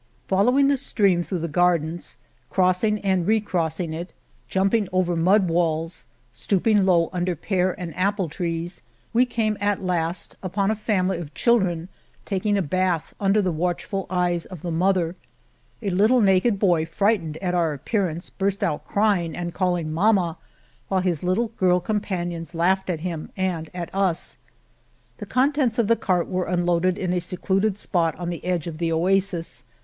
Following the stream through the gar dens, crossing and recrossing it, jumping over mud walls, stooping low under pear and apple trees, we came at last upon a family of children taking a bath under the watch ful eyes of the mother. A little naked boy, frightened at our appearance, burst out cry ing and calling Mamma," while his little girl companions laughed at him and at us. The contents of the cart were unloaded in a secluded spot on the edge of the oasis.